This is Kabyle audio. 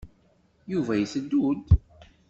Yuba iteddu-d.